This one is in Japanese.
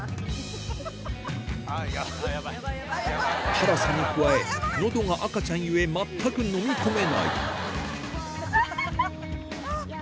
辛さに加え喉が赤ちゃんゆえ全くのみ込めないあっ！